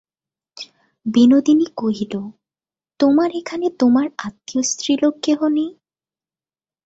বিনোদিনী কহিল, তোমার এখানে তোমার আত্মীয় স্ত্রীলোক কেহ নাই?